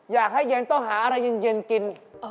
อยากให้เย็นต้องหาอะไรเย็นกิน